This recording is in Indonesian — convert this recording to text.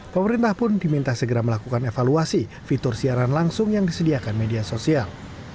pemerintah pun diminta segera melakukan evaluasi fitur siaran langsung yang disediakan media sosial